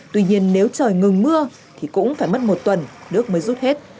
tuy nhiên nếu trời ngừng mưa thì cũng phải mất một tuần nước mới rút hết